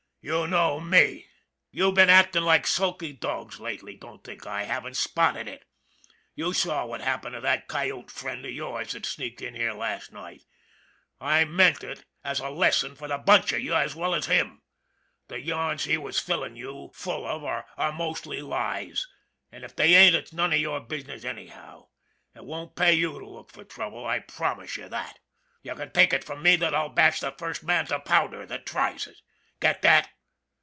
" You know me. You've been actin' like sulky dogs 138 ON THE IRON AT BIG CLOUD lately don't think I haven't spotted it. You saw what happened to that coyote friend of yours that sneaked in here last night. I meant it as a lesson for the bunch of you as well as him. The yarns he was fillin' you full of are mostly lies, an' if they ain't it's none of your business, anyhow. It won't pay you to look for trouble, I promise you that. You can take it from me that I'll bash the first man to powder that tries it. Get that?